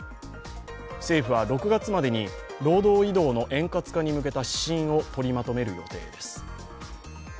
政府は６月までに労働移動の円滑化に向けた指針を取りまとめる予定です。